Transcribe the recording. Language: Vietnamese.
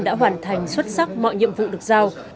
đã hoàn thành xuất sắc mọi nhiệm vụ được giao